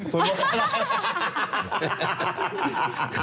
สวดมนตร์อะไร